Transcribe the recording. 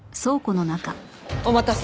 お待たせ。